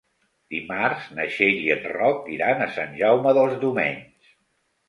Dimarts na Txell i en Roc iran a Sant Jaume dels Domenys.